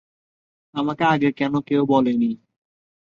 আমাকে আগে কেন কেউ বলেনি?